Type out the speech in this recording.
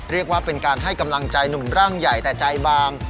เรียกว่าเป็นการให้กำลังใจหนุ่มร่างใหญ่แต่ใจบาง